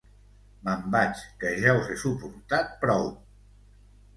Me'n vaig, que ja us he suportat prou!